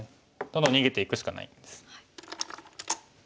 どんどん逃げていくしかないんです。